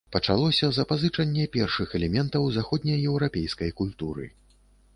Пачалося запазычанне першых элементаў заходнееўрапейскай культуры.